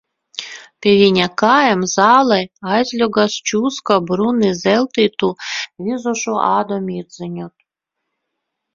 Pie viņa kājām zālē aizļogās čūska brūni zeltītu, vizošu ādu mirdzinot.